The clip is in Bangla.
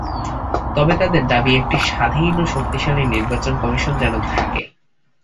তবে তাঁদের দাবি একটি স্বাধীন ও শক্তিশালী নির্বাচন কমিশন যেন থাকে।